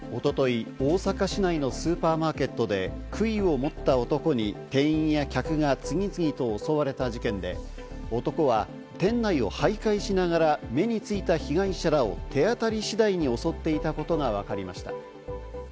一昨日、大阪市内のスーパーマーケットで杭を持った男に店員や客が次々と襲われた事件で、男は店内を徘徊しながら目についた被害者らを手当たり次第に襲っていたことがわかりました。